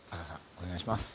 お願いします。